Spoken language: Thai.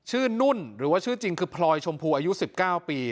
นุ่นหรือว่าชื่อจริงคือพลอยชมพูอายุ๑๙ปี